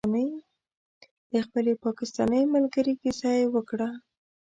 د خپلې پاکستانۍ ملګرې کیسه یې وکړه.